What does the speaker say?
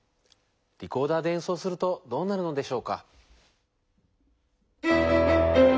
リコーダーでえんそうするとどうなるのでしょうか？